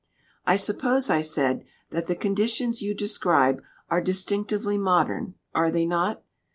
"I suppose," I said, "that the conditions you describe are distinctively modern, are they not?